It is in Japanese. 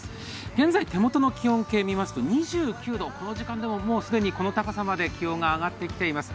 現在、手元の気温計を見ますと２９度この時間でも既に、この高さまで気温が上がってきています。